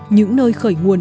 những nơi khởi nguồn